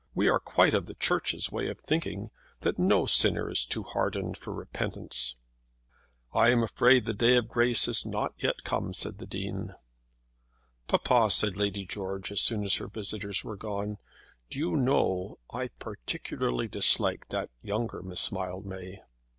"We are quite of the Church's way of thinking, that no sinner is too hardened for repentance." "I am afraid the day of grace has not come yet," said the Dean. "Papa," said Lady George, as soon as her visitors were gone, "do you know I particularly dislike that younger Miss Mildmay."